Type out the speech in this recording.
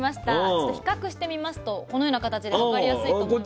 ちょっと比較してみますとこのような形で分かりやすいと思いますね。